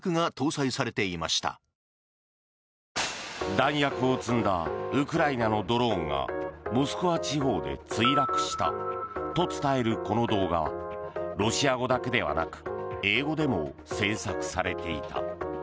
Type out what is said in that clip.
弾薬を積んだウクライナのドローンがモスクワ地方で墜落したと伝えるこの動画はロシア語だけではなく英語でも製作されていた。